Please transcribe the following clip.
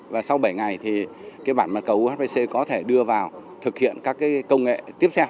và sau bảy ngày thì cái bản mặt cầu uhc có thể đưa vào thực hiện các công nghệ tiếp theo